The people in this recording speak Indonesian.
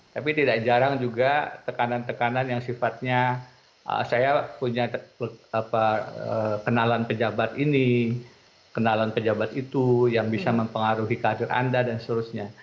tapi tidak jarang juga tekanan tekanan yang sifatnya saya punya kenalan pejabat ini kenalan pejabat itu yang bisa mempengaruhi karir anda dan seterusnya